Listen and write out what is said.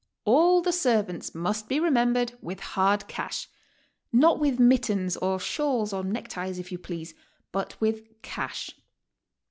All the servants must be remembered with hard cash — not with mittens or shawls or neckties, if you please, but with cash.